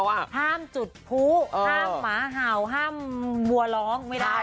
ห้ามจุดผู้ห้ามหมาเห่าห้ามวัวร้องไม่ได้